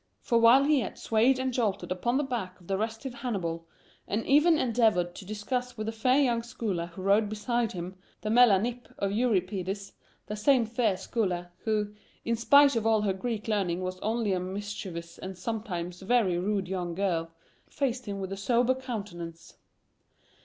For while he yet swayed and jolted upon the back of the restive Hannibal, and even endeavored to discuss with the fair young scholar who rode beside him, the "Melanippe" of Euripides, the same fair scholar who, in spite of all her Greek learning was only a mischievous and sometimes very rude young girl faced him with a sober countenance.